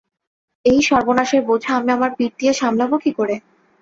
এই সর্বনাশের বোঝা আমি আমার পিঠ দিয়ে সামলাব কী করে?